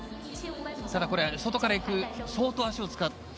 外から行くと相当足を使う。